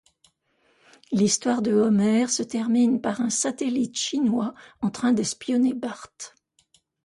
L'histoire de Homer se termine par un satellite chinois en train d'espionner Bart.